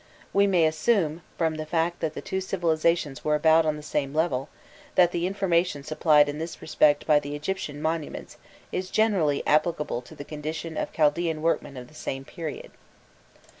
We may assume, from the fact that the two civilizations were about on the same level, that the information supplied in this respect by the Egyptian monuments is generally applicable to the condition of Chaldaean workmen of the same period.